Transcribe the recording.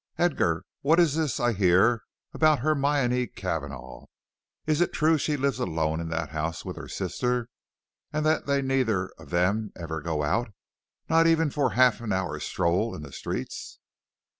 "Edgar, what is this I hear about Hermione Cavanagh? Is it true she lives alone in that house with her sister, and that they neither of them ever go out, not even for a half hour's stroll in the streets?"